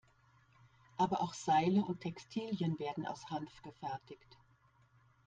Aber auch Seile und Textilien werden aus Hanf gefertigt.